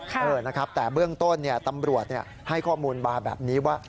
เออนะครับแต่เบื้องต้นตำรวจให้ข้อมูลมาแบบนี้ว่า